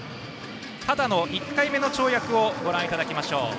秦の１回目の跳躍をご覧いただきましょう。